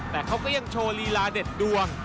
แต่เขาก็ยังโชว์ลีลาเด็ดดวง